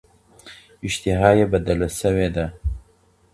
اشتها یې بدله شوې ده.